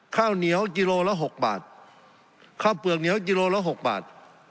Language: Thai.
ข้าวเหนียวกิโลละ๖บาทข้าวเปลือกเหนียวกิโลละ๖บาท